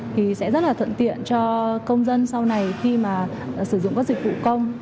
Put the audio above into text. thì sẽ rất là thuận tiện cho công dân sau này khi mà sử dụng các dịch vụ công